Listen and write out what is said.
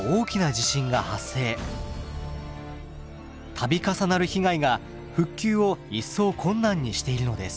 度重なる被害が復旧を一層困難にしているのです。